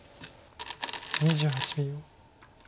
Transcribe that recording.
２８秒。